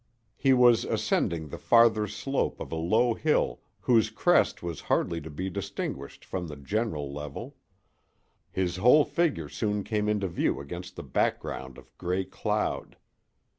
He was ascending the farther slope of a low hill whose crest was hardly to be distinguished from the general level. His whole figure soon came into view against the background of gray cloud.